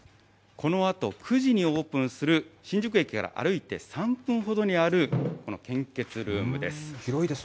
このあと９時にオープンする、新宿駅から歩いて３分ほどにある、この献血ルームです。